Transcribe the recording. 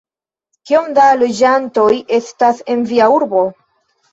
Kiom da loĝantoj estas en via urbo?